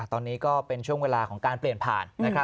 ตอนนี้ก็เป็นช่วงเวลาของการเปลี่ยนผ่าน